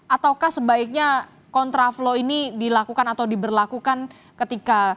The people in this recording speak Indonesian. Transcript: ataukah sebaiknya kontraflow ini dilakukan atau diberlakukan ketika